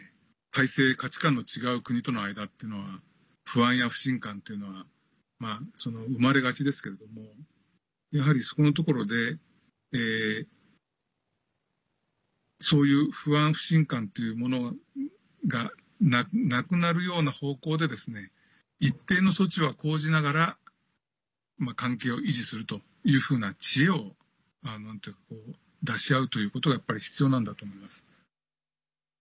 体制、価値観の違う国との間というのは不安や不信感というのは生まれがちですけどもやはり、そこのところでそういう不安不信感というものがなくなるような方向で一定の措置は講じながら関係を維持するというふうな知恵を出し合うということがやっぱり必要なんだと思います。